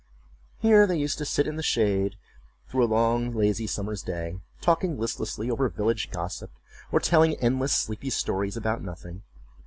Here they used to sit in the shade through a long lazy summer's day, talking listlessly over village gossip, or telling endless sleepy stories about nothing.